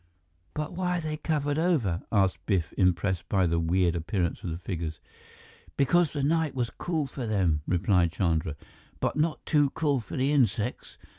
"But why are they covered over?" asked Biff, impressed by the weird appearance of the figures. "Because the night was cool for them," replied Chandra, "but not too cool for the insects.